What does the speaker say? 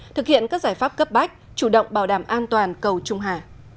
thực hiện các giải pháp cấp bách chủ động bảo đảm an toàn cầu trung hà